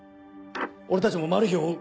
俺たちもマルヒを追う。